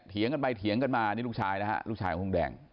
เถียงกันไปเถียงกันมานี่ลูกชายนะฮะลูกชายของลุงแดง